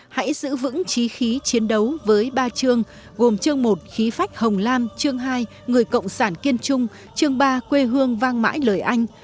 hãy giữ vững trí khí chiến đấu với ba chương gồm chương một khí phách hồng lam chương hai người cộng sản kiên trung chương ba quê hương vang mãi lời anh